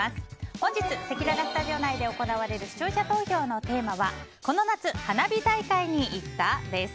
本日せきららスタジオ内で行われる視聴者投票のテーマはこの夏花火大会に行った？です。